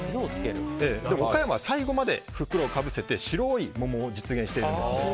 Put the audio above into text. でも岡山は最後まで袋をかぶせて白い桃を実現しているんです。